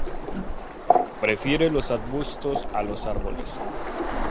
Prefiere los arbustos a los árboles.